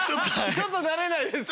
ちょっと慣れないですか？